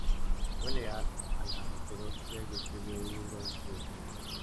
Fue leal a la ortodoxia y escribió un libro en su defensa.